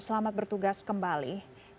selamat bertugas kembali